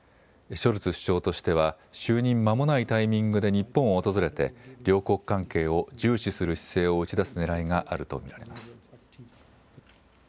ショルツ首相としては就任まもないタイミングで日本を訪れて両国関係を重視する姿勢を打ち出すねらいがあると見られます。